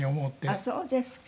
あっそうですか。